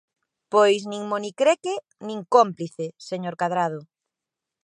Pois nin monicreque, nin cómplice, señor Cadrado.